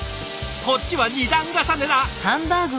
こっちは２段重ねだ！